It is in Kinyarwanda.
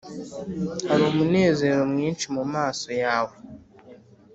hari umunezero mwinshi mumaso yawe